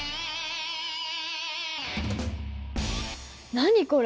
何これ？